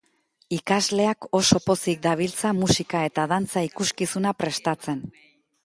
Ikasleak oso pozik dabiltza musika eta dantza ikuskizuna prestatzen.